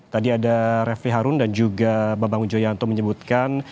tadi ada refli harun dan juga bambang ujoyanto menyebutkan